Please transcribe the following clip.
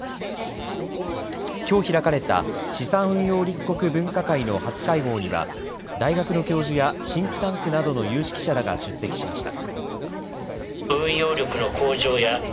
きょう開かれた資産運用立国分科会の初会合には大学の教授やシンクタンクなどの有識者らが出席しました。